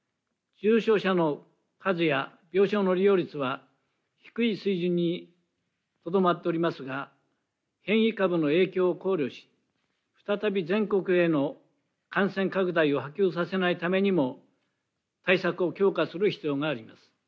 重症者の数や病床の利用率は低い水準にとどまっておりますが変異株の影響を考慮し再び全国への感染拡大を波及させないためにも対策を強化する必要があります。